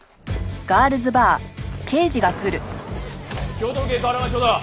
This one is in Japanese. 京都府警河原町署だ！